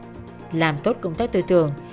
và làm tốt công tác tư tưởng